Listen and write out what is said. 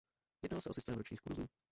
Jednalo se o systém ročních kurzů.